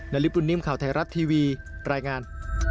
ริปุ่นนิ่มข่าวไทยรัฐทีวีรายงาน